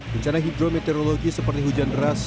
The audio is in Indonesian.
rencana hidrometeorologi seperti hujan ras